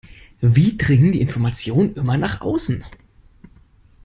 Wie dringen die Informationen immer nach außen?